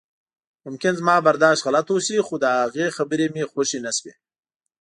ممکن زما برداشت غلط اوسي خو د هغې خبرې مې خوښې نشوې.